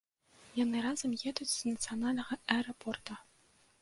Яны разам едуць з нацыянальнага аэрапорта.